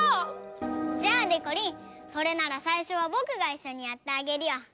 じゃあでこりんそれならさいしょはぼくがいっしょにやってあげるよ。